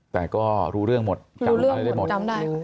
แต่ก็รู้เรื่องหมดจำได้เลยหมดรู้เรื่องหมดจำได้